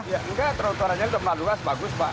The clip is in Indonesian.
iya enggak trotoar aja ditambah luas bagus pak